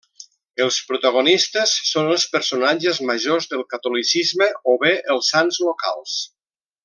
Els protagonistes són els personatges majors del catolicisme o bé els sants locals.